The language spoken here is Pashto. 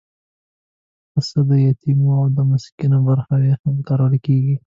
پسه د یتیمو او مسکینو برخه هم ورکول کېږي.